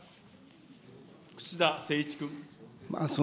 串田誠一君。